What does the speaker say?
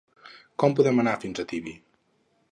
Com podem anar fins a Tibi?